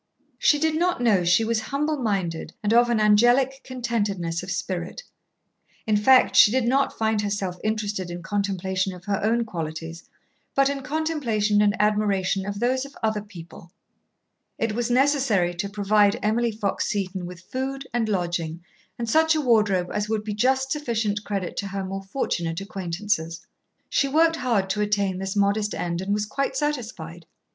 She did not know she was humble minded and of an angelic contentedness of spirit. In fact, she did not find herself interested in contemplation of her own qualities, but in contemplation and admiration of those of other people. It was necessary to provide Emily Fox Seton with food and lodging and such a wardrobe as would be just sufficient credit to her more fortunate acquaintances. She worked hard to attain this modest end and was quite satisfied.